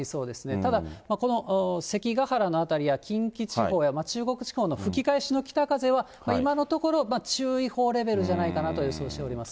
ただ、この関ヶ原の辺りや近畿地方や中国地方の吹き返しの北風は、今のところ、注意報レベルじゃないかなと予想しております。